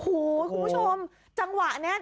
โอ้โหคุณผู้ชมจังหวะนี้